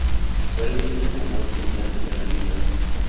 Fue elegida en el once ideal de la Liga.